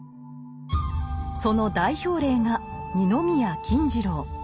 その代表例が二宮金次郎。